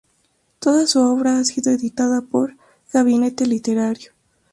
Toda su obra ha sido editada por Gabinete Literario.